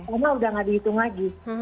kalau sudah tidak dihitung lagi